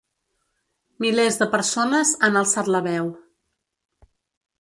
Milers de persones han alçat la veu.